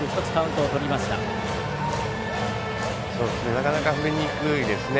なかなか振りにくいですね。